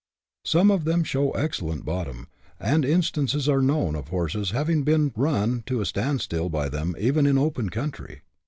Some of them show excellent bottom, and instances are known of horses having been run to a stand still by them even in open country.